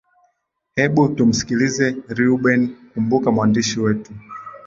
hebu tumsikilize rebuen kumbuka mwandishi wetu